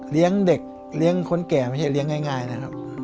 เลี้ยงเด็กเลี้ยงคนแก่ไม่ใช่เลี้ยงง่ายนะครับ